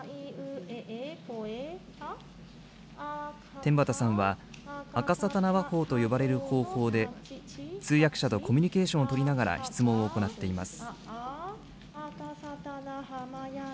天畠さんは、あかさたな話法と呼ばれる方法で、通訳者とコミュニケーションを取りながら質問を行っています。